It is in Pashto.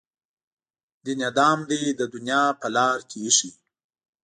دین یې دام دی د دنیا په لار کې ایښی.